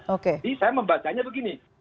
jadi saya membacanya begini